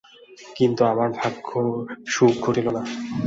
কিন্তু আমার ভাগ্যে সুখ ঘটিল না।